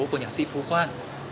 của nhạc sĩ phú quang